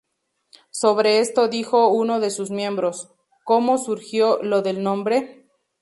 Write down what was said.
Sobre esto dijo uno de sus miembros: "¿Cómo surgió lo del nombre?